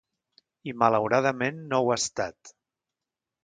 I, malauradament no ho ha estat.